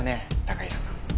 高平さん。